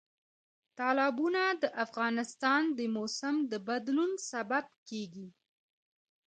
تالابونه د افغانستان د موسم د بدلون سبب کېږي.